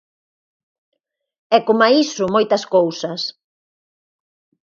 E coma iso, moitas cousas.